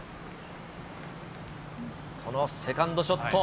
このセカンドショット。